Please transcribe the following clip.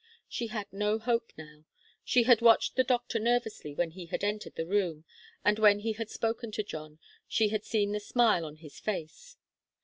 She had no hope now. She had watched the doctor nervously when he had entered the room, and when he had spoken to John she had seen the smile on his face.